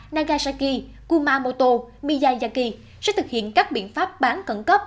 nagasaki kumamoto miyazaki sẽ thực hiện các biện pháp bán khẩn cấp